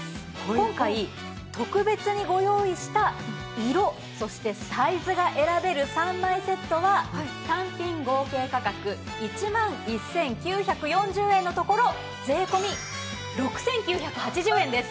今回特別にご用意した色そしてサイズが選べる３枚セットは単品合計価格１万１９４０円のところ税込６９８０円です！